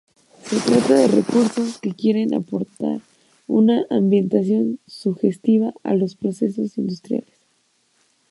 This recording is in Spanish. Se trata de recursos que quieren aportar una ambientación sugestiva a los procesos industriales.